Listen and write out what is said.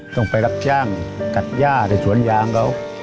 ต้องไปรับจ้างตัดย่าในสวนยางเขา